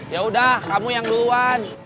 ya udah kamu yang duluan